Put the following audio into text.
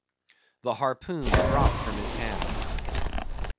The harpoon dropped from his hand.